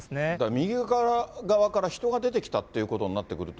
右側から人が出てきたということになってくると、